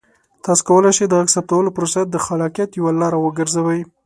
تاسو کولی شئ د غږ ثبتولو پروسه د خلاقیت یوه لاره وګرځوئ.